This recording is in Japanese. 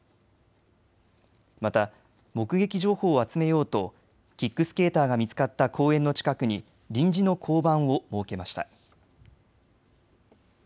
また目撃情報を集めようとキックスケーターが見つかった公園の近くに臨時の交番を設けました。